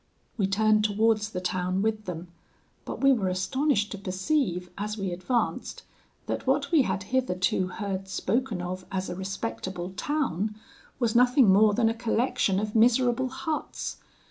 "We turned towards the town with them; but we were astonished to perceive, as we advanced, that what we had hitherto heard spoken of as a respectable town, was nothing more than a collection of miserable huts.